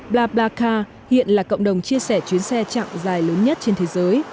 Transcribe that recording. blabarka hiện là cộng đồng chia sẻ chuyến xe chặng dài lớn nhất trên thế giới